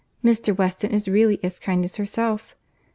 Mr. Weston is really as kind as herself.